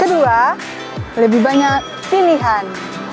kedua lebih banyak pilihan